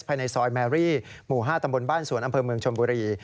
ภายในซอยแมรี่หมู่๕ตำบลบ้านสวนอำเภอเมืองชนบุรี